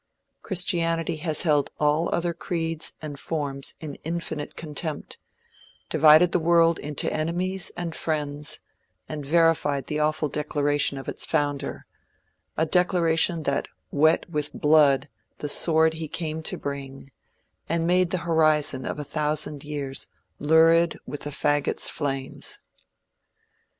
Christianity has held all other creeds and forms in infinite contempt, divided the world into enemies and friends, and verified the awful declaration of its founder a declaration that wet with blood the sword he came to bring, and made the horizon of a thousand years lurid with the fagots' flames.